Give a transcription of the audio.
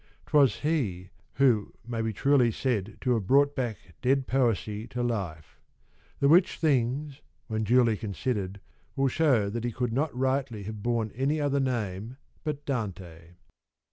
'Twas he who may be truly said to have brought back dead poesy to life. The which things, when duly considered, will shew that he could not rightly have borne any other name but Dante.